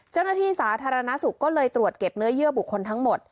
เจ้าหน้าที่สาธารณสุขก็เลยตรวจเก็บเนื้อเยื่อบุคคลทั้งหมด